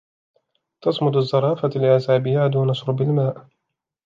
تصمد الزرافة لأسابيع دون شرب الماء